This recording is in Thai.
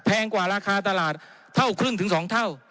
กว่าราคาตลาดเท่าครึ่งถึง๒เท่า